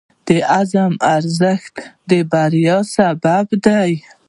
د عزم ارزښت د بریا سبب دی.